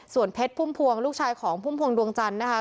ส่วนเพชรพุ่มพวงลูกชายของพุ่มพวงดวงจันทร์นะคะ